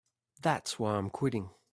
That's why I'm quitting.